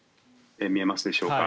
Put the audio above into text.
見えますでしょうか。